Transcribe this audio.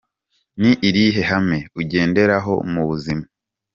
Ni irihe hame ugenderaho mu buzima?.